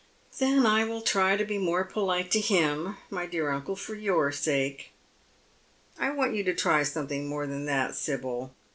" Then I will try to be more polite to him, my dear uncle, for your sake." " I want you to try something more than that, Sibyl.